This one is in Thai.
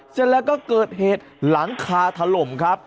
เสร็จแล้วก็เกิดเหตุหลังคาถล่มครับ